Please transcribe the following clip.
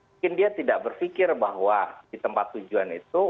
mungkin dia tidak berpikir bahwa di tempat tujuan itu